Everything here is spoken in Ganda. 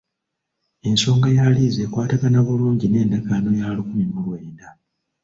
Ensonga ya liizi ekwatagana bulungi n'endagaano ya lukumi mu lwenda.